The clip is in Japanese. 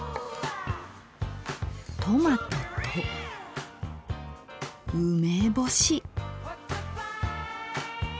トマトと梅干し。